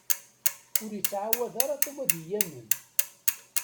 Ur ittɛawed ara Tom ad yi-yamen.